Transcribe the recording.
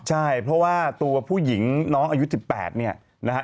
ใช่เพราะว่าตัวผู้หญิงน้องอายุ๑๘เนี่ยนะฮะ